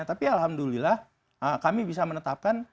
tapi alhamdulillah kami bisa menetapkan